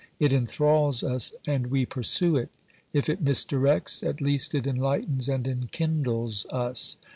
It enthralls us and we pursue it ; if it misdirects, at least it enlightens and enkindles us.